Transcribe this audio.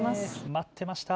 待ってました。